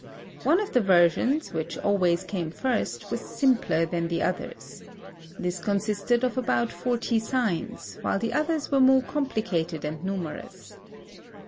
One of the versions, which always came first, was simpler than the others. This consisted of about forty signs, while the others were more complicated and numerous.